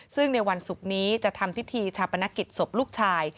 ซึ่งในวันศุกร์นี้จะทำพิธีชาปนกิจศพลูกชาย